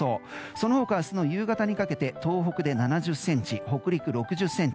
その他、明日の夕方にかけて東北で７０ｃｍ北陸６０ｃｍ